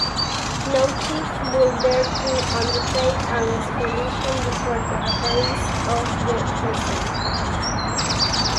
No chief would dare to undertake an expedition before the appearance of the crescent.